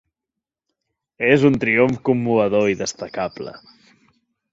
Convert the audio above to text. És un triomf commovedor i destacable.